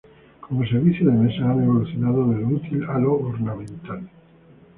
Como servicio de mesa han evolucionado de lo útil a lo ornamental.